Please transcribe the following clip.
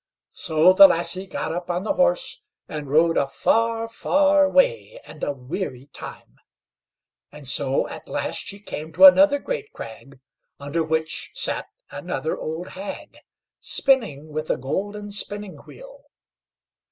So the lassie got up on the horse, and rode a far, far way, and a weary time; and so at last she came to another great crag, under which sat another old hag, spinning with a golden spinning wheel.